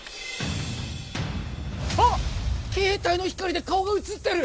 あっ携帯の光で顔がうつってる！